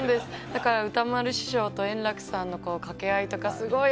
だから、歌丸師匠と円楽さんのかけ合いとかすごい